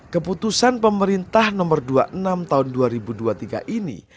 keputusan pemerintah nomor dua puluh enam tahun dua ribu dua puluh tiga ini